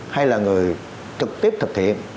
hay là người trực tiếp thực hiện